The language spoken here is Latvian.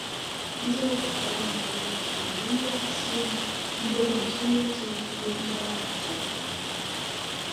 "Izaugusi padomju gados kā Grundzāles ciema un padomju saimniecības "Grundzāle" centrs."